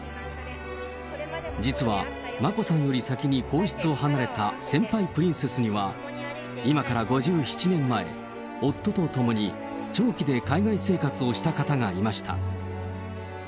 実は眞子さんより先に皇室を離れた先輩プリンセスには、今から５７年前、夫と共に長期で海外生活をした方がいました。